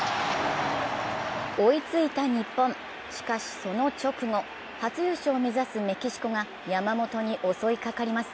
追いついた日本、その直後、初優勝を目指すメキシコが山本に襲いかかります。